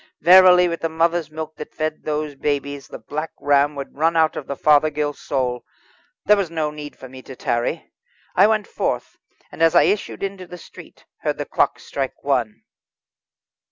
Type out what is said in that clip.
Verily, with the mother's milk that fed those babes, the Black Ram would run out of the Fothergill soul. There was no need for me to tarry. I went forth, and as I issued into the street heard the clock strike one.